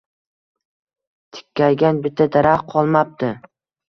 Tikkaygan bitta daraxt qolmabdi.